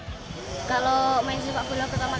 ashifa solawa sepak bola putri usia dini